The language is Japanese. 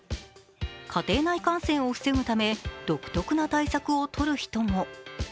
家庭内感染を防ぐため、独特な対策を取る人も。